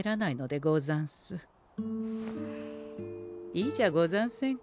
いいじゃござんせんか。